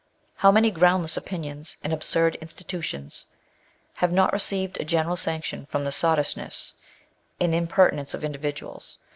How many groundless opinions and absurd institutions have itot received a general sanction from the sottiabness and intÂŦn perance of individuals'?